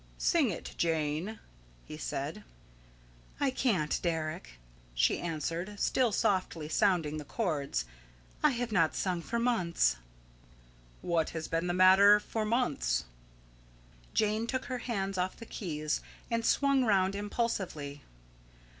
"Sing it, Jane," he said. "I can't, Deryck," she answered, still softly sounding the chords. "I have not sung for months." "What has been the matter for months?" Jane took her hands off the keys, and swung round impulsively.